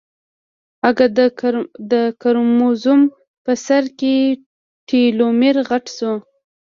اگه د کروموزوم په سر کې ټيلومېر غټ شو.